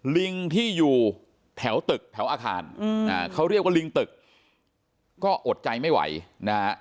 ลิงที่อยู่แถวตึกแถวอาคารเขาเรียกว่าลิงตึกก็อดใจไม่ไหวนะฮะ